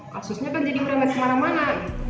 kasusnya kan jadi meremeh kemana mana